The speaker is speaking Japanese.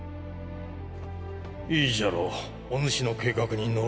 いいじゃろうお主の計画に乗ろう。